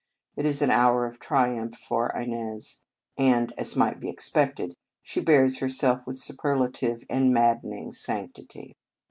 It is an hour of triumph for Inez, and, as might be expected, she bears herself with superlative and maddening sanctity.